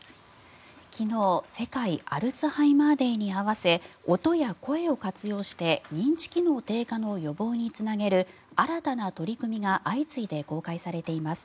昨日世界アルツハイマーデーに合わせ音や声を活用して認知機能低下の予防につなげる新たな取り組みが相次いで公開されています。